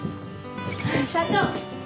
社長。